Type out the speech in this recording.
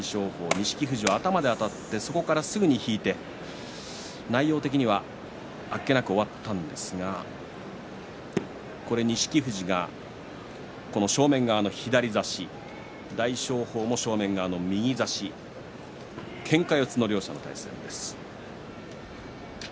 錦富士、頭であたってそこからすぐに引いて内容的にはあっけなく終わったんですが錦富士が、この正面側の左差し大翔鵬も正面側の右差しけんか四つの両者の対戦です。